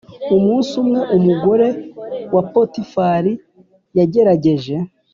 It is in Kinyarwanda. Umunsi umwe umugore wa Potifari yagerageje